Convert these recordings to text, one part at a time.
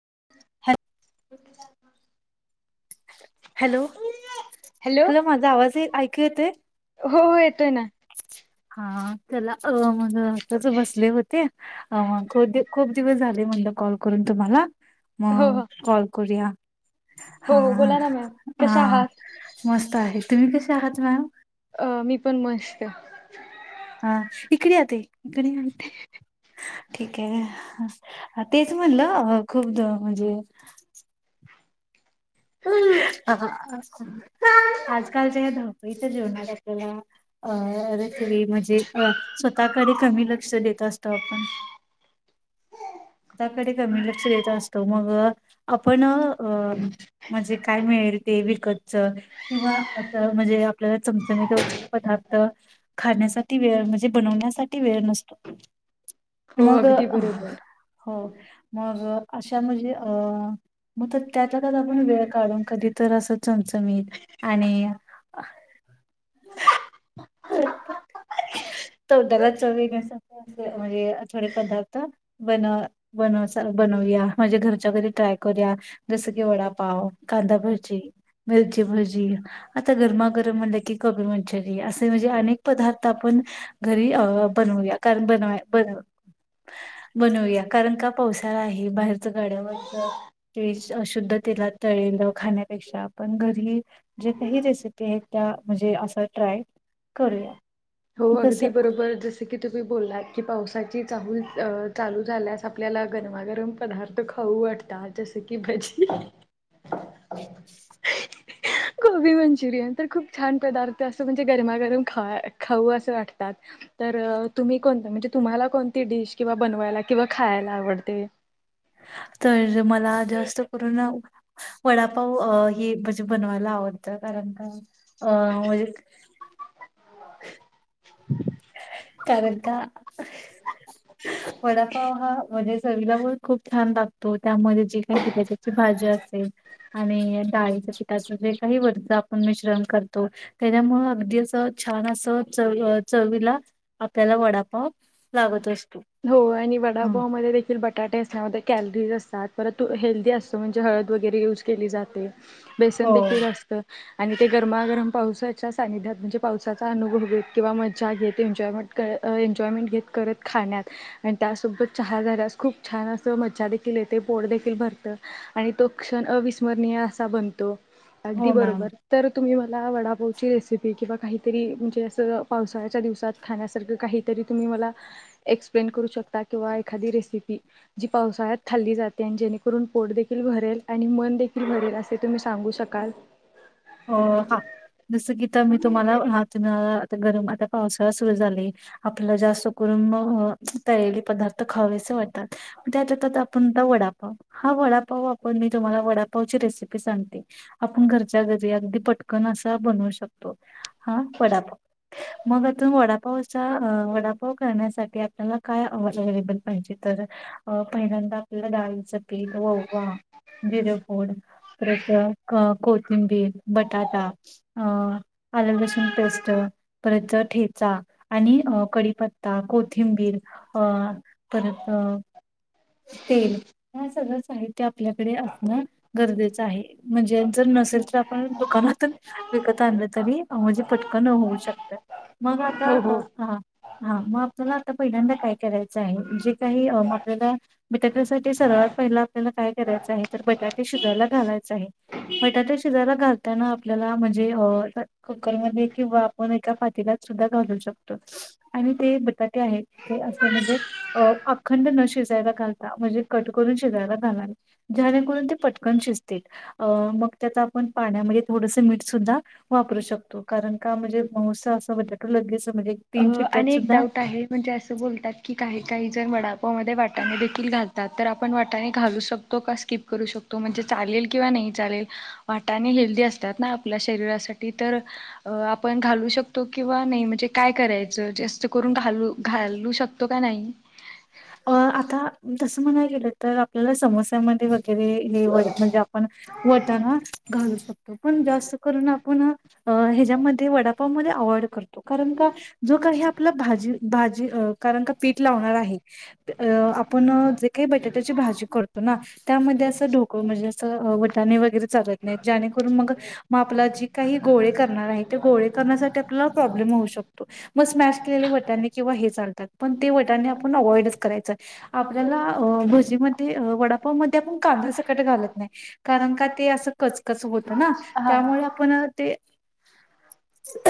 Hello hello hello तुला हो माझा आवाज ऐकू येतोय? हो येतोय ना हा त्याला अ मग असच बसले होते मग ख खूप दिवस झाले म्ह कॉल करून तुम्हाला म हो हो कॉल करूया. हा हो हो बोला ना मॅम कशा हा आहात? मस्त आहे तुम्ही कसे आहात मॅम अ मी पण मस्त. हा इकडे या ताई इकडे या ठीक आहे होय तेच म्हणलं खूप म्हणजे ह् [inaudible] आजकालच्या या धावपळीच्या जीवनात आपल्याला अ अरे तरी म्हणजे अ स्वतःकडे कमी लक्ष देत असतो आपण [inaudible] त्याकडे कमी लक्ष देत असतो मग आपण अ म्हणजे काय मिळेल ते विकतचं किंवा असं म्हणजे आपल्याला चमचमीत वगैरे पदार्थ खाण्यासाठी वेळ म्हणजे बनवण्यासाठी वेळ नसतो. हो मग अगदी बरोबर हो मग अशा म्हणजे अ मग तर त्यातल्या त्यात पण वेळ काढून कधी तर असं चमचमीत आणि अ [inaudible] तोंडाला चव येण्यासारखे असं म्हणजे थोडे पदार्थ बन बनवस उया म्हणजे घरच्या घरी ट्राय करूया जस की वडापाव कांदा भजी मिरची भजी आता गरमागरम म्हणलं की कोबी मंचुरी अस म्हणजे अनेक पदार्थ आपण घरी बनूवूया कारण बन बन बनवूया कारण का पावसाळा आहे बाहेरच गाड्यावरचं अशुद्ध तेलात तळलेलं खाण्यापेक्षा आपण घरी जे काही रेसिपी आहेत म्हणजे अस ट्राय करूया हो तस अगदी बरोबर जस की तुम्ही बोलात की पावसाची चाहूल चालू झाल्यास आपल्याला गरमागरम पदार्थ खाऊ वाटतात जसे की भज़ी [inaudible] गोबी मंचुरियन तर खूप छान पदार्थ असं म्हणजे गरमागरम खा खाऊ असं वाटतात तर तुम्ही कोणत म्हणजे तुम्हाला कोणती डिश किंवा बनवायला किंवा खायला आवडते तर मला जास्त करून वडापाव अ हे बनवायला आवडत कारण कां म्हणजे कारण का वडापाव हा म्हणजे चवीला पण खूप छान लागतो तो त्यामध्ये जी काही बटाट्याची भाजी असेल आणि डाळीच पिठाचं जे काही वरच आपण मिश्रण करतो त्याच्यामुळं अगदी असं छान अस चव अ चवीला आपल्याला वडापाव लागत असतो हो आणि हम् वडापावमध्ये देखील बटाटे असल्यामुळं ते कॅलरीज असतात पर तू हेल्दी असतो म्हणजे हळद वगैरे यूज केली जाते बेसन हो देखील असत आणि ते गरमागरम पावसाच्या सानिध्यात म्हणजे पावसाचा अनुभव घेत किंवा मज्जा घेत एन्जॉयमेंट एन्जॉयमेंट घेत करत खाण्यात आणि त्यासोबत चहा झाल्यास खूप छान अस मज्जा देखील ते पोट देखील भरत आणि तो क्षण अविस्मरणीय असा बनतो अगदी हो बरोबर मॅम. तर तुम्ही मला वडापाव ची रेसिपी किंवा काहीतरी म्हणजे असं पावसाळ्याच्या दिवसात खाण्या काहीतरी तुम्ही मला एक्सप्लेन करू शकता किंवा एखादी रेसिपी ज़ी पावसाळ्यात खाल्ली जाते अन जेणेकरून पोट देखील भरेल आणि मन देखील भरेल असे तुम्ही सांगू शकाल हो हा जस की आता मी तुम्हाला गरम आता पावसाळा सुरू झालय आपलं जास्त कर तळलेले पदार्थ खावेसे वाटतात त्यातल्या त्यात आपण आता वडापाव हा वडा वडापाव आपण मी तुम्हाला वडापाव ची रेसिपी सांगते आपण घरच्या घरी अगदी पटकन असा बनवू शकतो हा वडापाव मग आता वडापाव असा वडापाव करण्यासाठी आपल्याला काय अव्हेलेबल पाहिजे तर पहिल्यांदा डाळीच पीठ ओवा जिरेपूड परत अं कोथिंबीर बटाटा अ आललसुण पेस्ट परतच ठेचा आणि आणि कडीपत्ता, कोथिंबीर अ परत तेल हे सगळंच साहित्य आपल्याकडे असणं गरजेचं आहे मंजे जर नसेल तर आपण आपण दुकानातून विकत आणलं तरी म्हणजे पटकन होऊ शकतय मग आता हो हो हा. म आपल्याला आता पहिल्यांदा काय करायचं आहे जे काही आपल्याला बटाट्यासाठी सर्वात पहिला आपल्याला काय करायचं आहे तर बटाटे शिजायला घालायच आहे. बटाट्या शिजायला घालताना. आपल्याला म्हणजे अ कुकरमध्ये किंवा आपण एका पतीलात सुद्धा घालू शकतो. आणि ते बटाटे आहेत ते अस म्हणजे अखंड न शिजायला न घालता म्हणजे कट करून शिजायला घाला. जाणे करून ते पटकन शिजतील. अ मग त्यात आपण पाण्यामध्ये थोडस मीठ सुद्धा वापरू शकतो. कारण का मंजे माउसा असा बटाटा लगेच म्हणजे अ चिट्ट्यात अनेक सुद्धा डाऊट आहे. म्हणजे असं बोलतात की काही काही जण वड्या वड्या मध्ये वाटणे देखील घलतात. तर आपण आपण वाटणे घालू शकतो का स्किप करू शकतो. म्हणजे चालेल किंवा नाही चालेल वाटाने हेल्दी असतात ना आपल्या शरीरासाठी तर आपण घालू शकतो किंवा नाही म्हणजे काय करायचं जास्त करून करून घालू. घालू शकतो का नाही. अ आता तसं म्हणाय गेलं तर आपल्याला समोस्या मध्ये वगैरे हे म्हणजे आपण वटना घालू शकतो पण जास्त करून आपण हेज्या मध्ये वडापावमध्ये अवॉइड करतो. कारण का? जो काही आपला भाजी भाजी कारण का पीठ लावणार आहे. अ आपण जे काही बटाट्याची भाजी करतो ना त्यामध्ये असं ढोकळं म्हणजे असं. वटाणे वगैरे चालत नाही जाणेकरून मग म आपला जी काही गोळे करणार आहेत. ते गोळे करण्यासाठी गोळे करण्यासाठी आपल्याला प्रोब्लेम होऊ शकतो. म स्मॅश केलेले वाटणे किंवा हे चालतात. पण ते वाटणे. आपण अवॉइडच करायचय आपल्याला भजी मध्ये वडापाव मध्ये आपण कांदा सकट घालत नाही. कारण का ते अस कचकच होत ना हा त्यामुळे आपण ते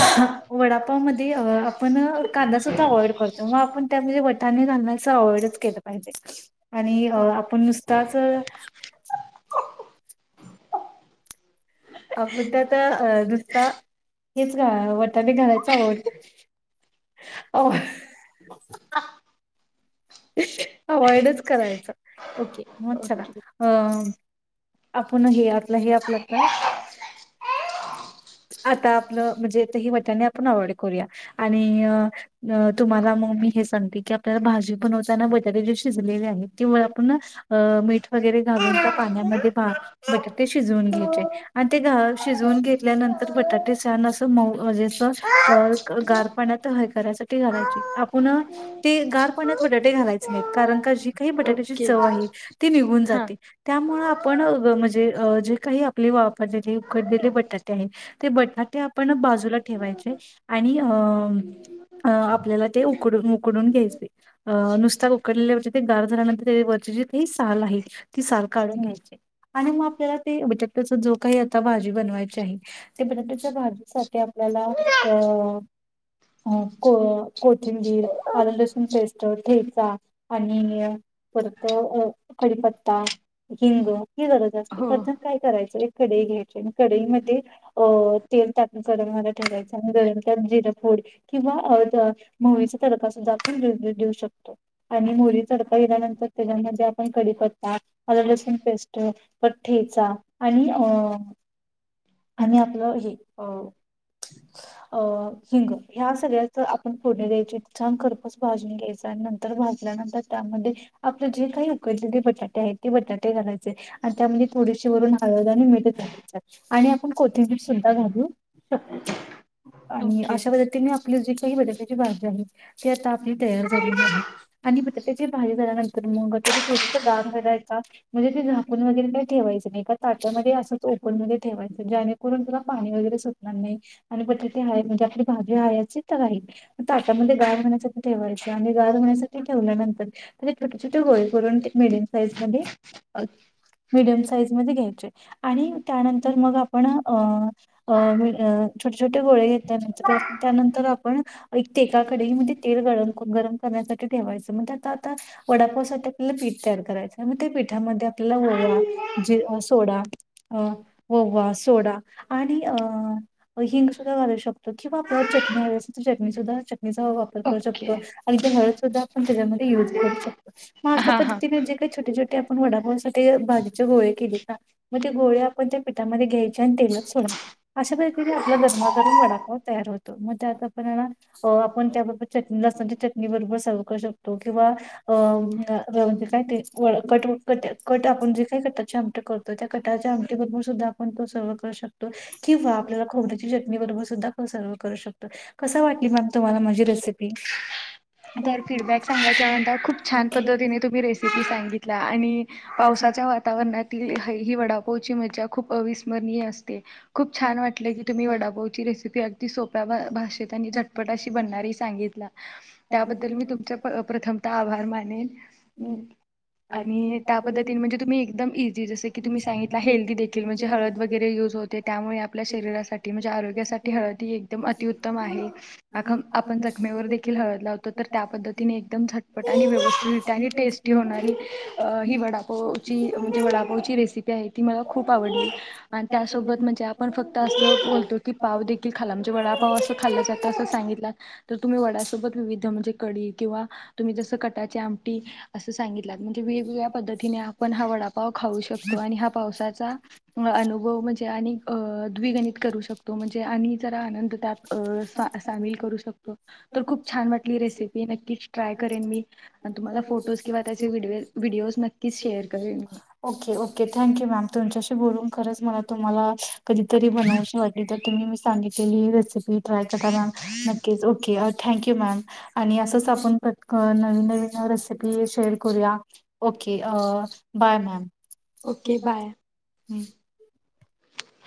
[inaudible] वडापाव मध्ये आपण कांदा सुद्धा अवॉइड करतो. म आपण त्या मध्ये वाटणे घालण्याच अवॉइडच केलं पाहिजे आणि आपण नुसताच. [inaudible] आपण त्यात नुसता हेच वटने घालायच अवॉइड. अवॉईड. अवॉइडच करायचं. ओके मग चला अ आपण हे. आपलं हे आपलं काय? आता आपलं म्हणजे हे वाटणे आता आपण अवॉइड करूया. आणि तुम्हाला मी हे सांगते की आपल्या भाजी बनताना बटाटे जे शिजलेले आहेत किंवा आपण न मीठ. वगैरे घालून पाण्या मध्ये भात बटाटे शिजून घ्यायचे आणि ते घ शिजून घेतल्यानंतर बटाटे छान अस मऊ म्हणजे आस गार पाण्यात हे करायसाठी घालायच. पुन्हा ते गार पाण्यात बटाटे घालायचे नाही. कारण का जी काही बटाट्याची ओके चव आहे ती निघून जाते. निघून हा जाते. त्यामुळे आपण मजे जे काही आपली वफळलेली उकडलेली बटाटे आहे. ते बटाटे आपण बाजूला ठेवायचे आणि आपल्याला ते उकडून उकडून घ्यायच ते अ नुसता उकडलेले बटाटे गार झाल्यानंतर वरची जी साल आहे. ती साल काढून घ्यायची आणि म आपल्याला ते बटाट्याची जो काही आता भाजी बनवायची आहे. ते बटाट्याच्या भाजीसाठी आपल्याला अ अ को कोथिंबीर आल लसूण पेस्ट ठेचा आणि परत कडीपत्ता हिंग ही गरज असते हो परत आणि काय करायच एक कडई घ्यायची आणि कडई मध्ये तेल टाकून कडाई मध्ये ठेवायच आहे. गरम तेलात जिर, मोहरी किंवा मोहरीच तडका सुद्धा आपण देऊ शकतो आणि मोहरीचा तडका दिल्यानंतर त्याच्यामध्ये आपण कडीपत्ता आल लसूण पेस्ट परत ठेचा आणि अ आणि आपलं हे अ अ हिंग ह्या सगळ्याच आपण फोडणी घ्यायची छान खर्पच भाजून घ्यायचा आणि नंतर भाजल्यानंतर त्यामध्ये आपलं जे काही उकडलेले बटाटे आहेत. ते बटाटे घालायचे आणि अगदी थोडीशी वरून हळद आणि मीठ घालायचं आणि आपण कोथिंबीर सुद्धा घालू शकतो. आणि ओके. अशा पद्धतीने जी काही बटाट्याची भाजी आहे. ती आपली तयार झाल्यानंतर झालेली आहे. आणि बटाट्याची भाजी झाल्यानंतर मग ते थोडंसं जाड राहील का म्हणजे ते चाकून वगैरे नाही ठेवायचं का ताटामध्ये असंच. मध्ये ठेवाय. जेणेकरून तिला पाणी वगैरे सुटणार नाही आणि बटाटे हा म्हणजे आपली भाजी आहे ची तर राहिलं. ताटामध्ये गार होण्यासाठी ठेवायचं आणि गार होण्यासाठी ठेवल्यानंतर त्या छोटे छोटे गोळे करून ते मीडियम साईज मध्ये घ्यायचे आणि त्यानंतर मग आपण पण अ छोटे छोटे गोळे घेतल्यानंतर त्यानंतर आपण. एका कढईमध्ये तेल गरम करण्यासाठी ठेवायचं म्हणजे आता आता वडापाव सा साठी आपल्याला पीठ तयार करायचं. मग त्या पिठामध्ये त्याच्यामध्ये ओवा, जिरे, सोडा, ओवा. सोडा आणि अ हिंग सुद्धा घालू शकतो. किंवा आपण चटणी ववी असेल. तर चटणी सुद्धा. चटणीचा वापर करू ओके शकतो. आणि ते हळद सुद्धा आपण त्याच्यामध्ये युज करू शकतो. मग अशा हां हां. पद्धतीने जे काही छोटे छोटे आप - वडापाव साठी भाजीचे गोळे केले. का मग ते गोळे आपण त्या पिठामध्ये घ्याय छान तेलात सोडायच अशा पद्धतीने आपला गरमागरम वडापाव तयार होतो. मग त्यात आपण आयना आपण त्याबरोबर चटणी लसणच्या चटणी बरोबर सर्व करू शकतो. किंवा अ ते काय [unintelligible] कट आपण जे काही कटाचे आमटी करतो. त्या कटाच्या आमटी बरोर सुद्धा आपण सर्व करू शकतो किंवा आपण खोबऱ्याच्या चटणी बरोबर सुधा सर्व करू शकतो कसं वाटली तुम्हाला माझी रेसिपी तर आणि फीडबॅक सांगायचा नंतर खूप छान पद्धतीने तुम्ही रेसिपी सांगितला आणि पावसात च्या वातावरणातील है ही वडापावची मज्जा खूप अविस्मरणीय असते खूप छान वाटले. कि तुम्ही वडापावचीे रेसिपी अगदी सोप्या भाषेत आणि झटपट अशी बनणारही सांगितला त्याबद्दल मी तुमचा प्रथम ता आभार मानेन आणि त्या त्याबद्दल पद्धतीने म्हणजे तुम्ही एकदम इझी जसं की तुम्ही सांगितला हेल्दी देखील, म्हणजे हळद वगैरे यूज होते. त्यामुळे आपल्या आपण शरीरासाठी म्हणजे आरोग्यासाठी हळदी एकदम अतिउत्तम आहे. जखम आपण दर्शनावर जखमेवर देखील हळद लावतो तर त्या पद्धतीने एकदम झटपट आणि व्यवस्थित रित्या आणि टेस्टी होणारी अ ही वडापावची म्हणजे वडापोवची रेसिपी आहे ती मला खूप आवडली आणि त्यासोबत म्हण ते फक्त आपण असं बोलतो. पाव देखील खाल्ला म्हणजे वडापाव अस देखील खाल्ल्यासारखं असं सांगितला तर तुम्ही वड्यासोबत विविध म्हणजे कडी किंवा तुम्ही जसं कटाची आमटी असं सांगितलात. म्हणजे वेगवेगळ्या पद्धतीने आपण हा वडापाव खाऊ शकतो. आणि हा पावसाचा अनुभव म्हणजे आणि अ द्विगणित करू शकतो. म्हणजे आणि जरा आनंद त्यात तर अ सामील करू शकतो. तर खूप छान वाट ही रेसिपी नक्कीच ट्राय करेन मी आणि तुम्हाला फोटोज किंवा त्याचे व्हिडिओ नक्कीच शेअर करेन मी okay okay thank you ma'am तुमच्याशी बोलून खरंच मला तुम्हाला कधीतरी बनवशी वाटली. तर तुम्ही मी सांगितलेली रेसिपी ट्राय करा मॅम नक्कीच ओके थँक्यू मॅम आणि असंच आपण पटकन नवीन नवीन रेसिपी शेअर करूया ओके आ बाय मॅम ओके बाय [inaudible]